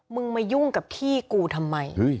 มึงมายุ่งกับพี่กูทำไม